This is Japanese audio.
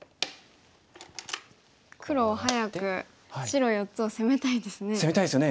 黒は早く白４つを攻めたいですね。